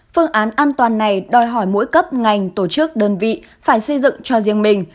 phương án an toàn này đòi hỏi mỗi cấp ngành tổ chức đơn vị phải xây dựng cho riêng mình